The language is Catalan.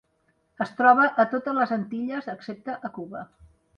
Es troba a totes les Antilles, excepte a Cuba.